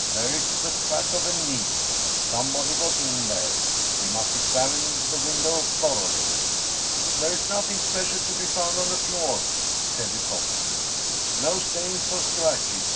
There is the track of a knee ! Somebody got in there. We must examine the window thoroughly." " There is nothing special to be found on the floor," said Dukovski. " No stains or scratches.